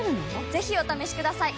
ぜひお試しください！